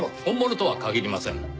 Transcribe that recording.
本物とは限りません。